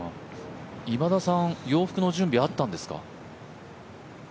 今田さん、洋服の準備、あったんですか？